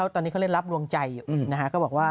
ตอนนี้เขาเล่นรับลวงใจนะฮะ